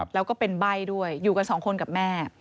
แล้วก็เป็นใบ้ด้วยอยู่กันสองคนกับแม่